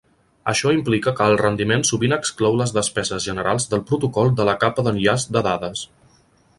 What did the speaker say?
Això implica que el rendiment sovint exclou les despeses generals del protocol de la capa d'enllaç de dades.